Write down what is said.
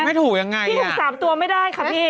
ไม่ถูกยังไงพี่ถูกสามตัวไม่ได้ค่ะพี่